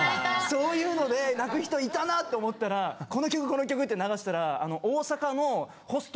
・そういうので泣く人いたなって思ったらこの曲この曲って流したら。